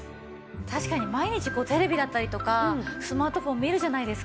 確かに毎日こうテレビだったりとかスマートフォン見るじゃないですか。